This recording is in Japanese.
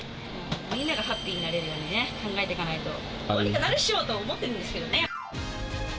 みんながハッピーになれるように考えていかないと、どうにかなるっしょと思ってるんですけどね。